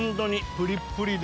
プリップリで。